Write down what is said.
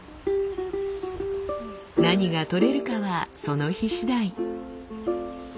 何がとれるかはその日しだい。